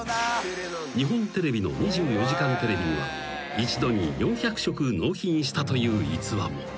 ［日本テレビの『２４時間テレビ』には一度に４００食納品したという逸話も］